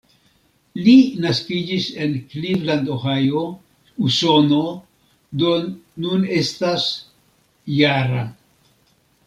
Li naskiĝis en Cleveland, Ohio, Usono, do nun estas -jara.